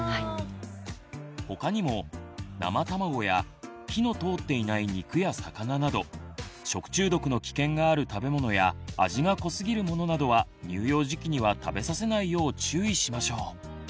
他にも生卵や火の通っていない肉や魚など食中毒の危険がある食べ物や味が濃すぎるものなどは乳幼児期には食べさせないよう注意しましょう。